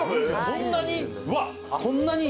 そんなに？